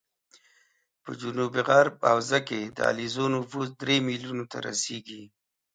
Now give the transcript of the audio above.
په جنوب غرب حوزه کې د علیزو نفوس درې ملیونو ته رسېږي